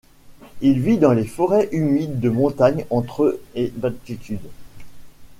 Il vit dans les forêts humides de montagne entre et d'altitude.